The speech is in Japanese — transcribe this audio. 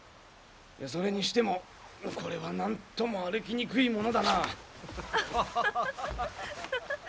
それにしてもこれは何とも歩きにくいものだな。